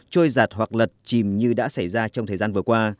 trôi giặt hoặc lật chìm như đã xảy ra trong thời gian vừa qua